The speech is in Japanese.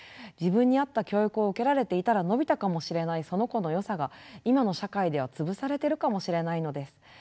自分に合った教育を受けられていたら伸びたかもしれないその子のよさが今の社会では潰されているかもしれないのです。